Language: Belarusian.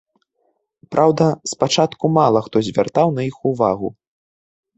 Праўда, спачатку мала хто звяртаў на іх увагу.